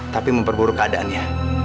tapi memperburuk keadaannya